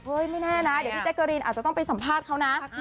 ไม่แน่นะเดี๋ยวพี่แจ๊กเกอรีนอาจจะต้องไปสัมภาษณ์เขานะ